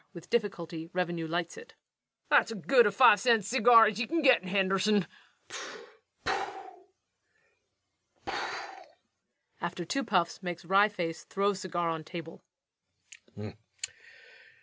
With difficulty_ REVENUE lights it.] That's as good a five cent cigar as ye can git in Henderson. REVENUE. [_After two puffs, makes wry face, throws cigar on table.